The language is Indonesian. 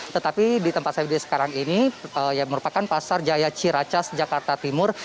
tetapi di tempat saya berdiri sekarang ini yang merupakan pasar jaya ciracas jakarta timur